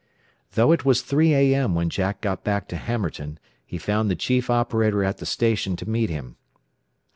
Though it was 3 A. M. when Jack got back to Hammerton, he found the chief operator at the station to meet him.